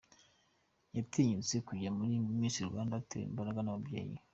Yatinyutse kujya muri Miss Rwanda atewe imbaraga n’ababyeyi.